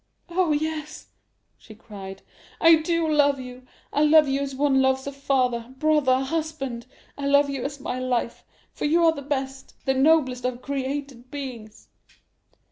"Oh, yes," she cried, "I do love you! I love you as one loves a father, brother, husband! I love you as my life, for you are the best, the noblest of created beings!"